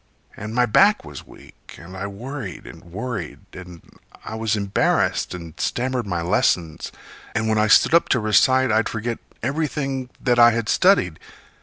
And my back was weak, and I worried and worried, And I was embarrassed and stammered my lessons, And when I stood up to recite I'd forget Everything that I had studied.